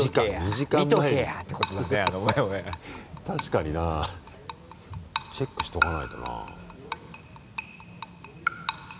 確かになチェックしとかないとな。